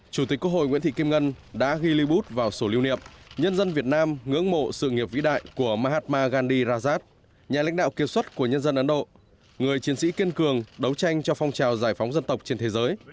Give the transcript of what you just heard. chủ tịch quốc hội nguyễn thị kim ngân đã ghi lưu bút vào sổ lưu niệm nhân dân việt nam ngưỡng mộ sự nghiệp vĩ đại của mahatma gandi rajat nhà lãnh đạo kiệt xuất của nhân dân ấn độ người chiến sĩ kiên cường đấu tranh cho phong trào giải phóng dân tộc trên thế giới